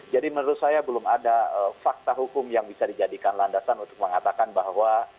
jadi menurut saya belum ada fakta hukum yang bisa dijadikan landasan untuk mengatakan bahwa